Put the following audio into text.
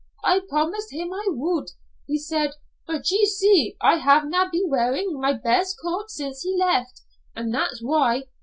'I promised him I would,' he said, 'but ye see, I have na' been wearin' my best coat since he left, an' that's why.